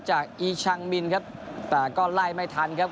อีชังมินครับแต่ก็ไล่ไม่ทันครับ